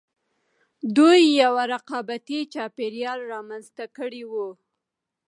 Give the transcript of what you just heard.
دوی یو رقابتي چاپېریال رامنځته کړی و